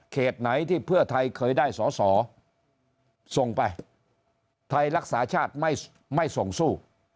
ไหนที่เพื่อไทยเคยได้สอสอส่งไปไทยรักษาชาติไม่ส่งสู้